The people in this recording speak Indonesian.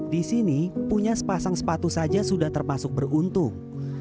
di sini punya sepasang sepatu saja sudah termasuk beruntung